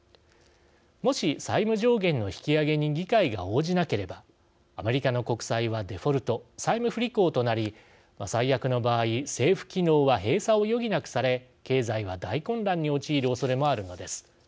もし債務上限の引き上げに議会が応じなければアメリカの国債はデフォルト＝債務不履行となり最悪の場合、政府機能は閉鎖を余儀なくされ経済は大混乱に陥るおそれもあるのです。